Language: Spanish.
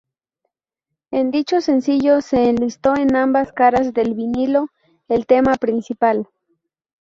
En dicho sencillo se enlistó en ambas caras del vinilo el tema principal.